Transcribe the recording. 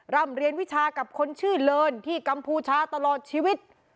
ร่ำเรียนวิชากับคนชื่อเลินที่กัมพูชาตลอดชีวิต